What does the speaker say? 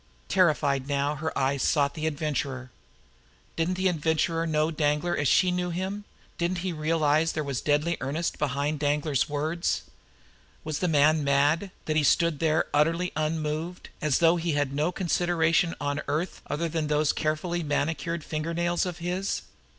Terrified now, her eyes sought the Adventurer. Didn't the Adventurer know Danglar as she knew him, didn't he realize that there was deadly earnestness behind Danglar's words? Was the man mad, that he stood there utterly unmoved, as though he had no consideration on earth other than those carefully manicured finger nails of his!